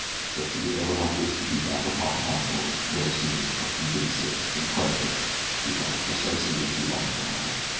That she could ever have wished to be back upon the Halfmoon would have seemed, a few days since, incredible; yet that was precisely what she longed for now.